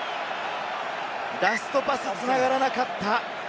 ラストパスが繋がらなかった。